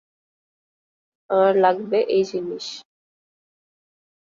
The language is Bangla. আমার লাগবে এ জিনিস।